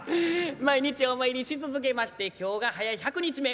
毎日お参りし続けまして今日が早１００日目。